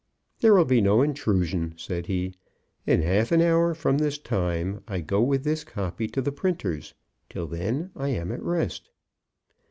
"There will be no intrusion," he said. "In half an hour from this time, I go with this copy to the printer's. Till then I am at rest."